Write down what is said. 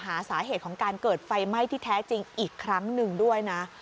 หาสาเหตุของการเกิดไฟไหม้ที่แท้จริงอีกครั้งหนึ่งด้วยนะ